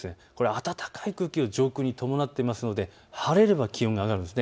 暖かい空気が上空にたまっているので晴れれば気温が上がるんです。